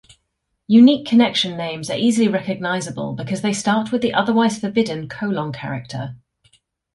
Unique connection names are easily recognizable because they start with the-otherwise forbidden-colon character.